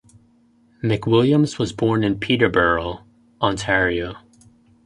McWilliams was born in Peterborough, Ontario.